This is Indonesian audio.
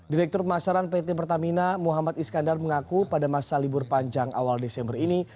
direktur pemasaran pt pertamina muhammad iskandar mengaku pada masa libur panjang awal desember ini